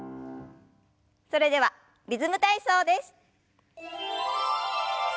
それでは「リズム体操」です。